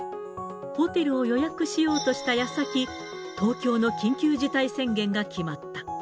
ホテルを予約しようとしたやさき、東京の緊急事態宣言が決まった。